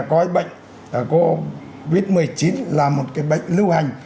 coi bệnh covid một mươi chín là một cái bệnh lưu hành